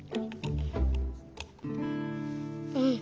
うん。